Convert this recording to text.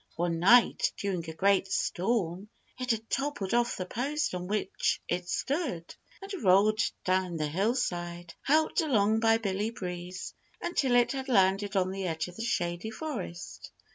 One night during a great storm it had toppled off the post on which it stood, and rolled down the hillside, helped along by Billy Breeze, until it had landed on the edge of the Shady Forest.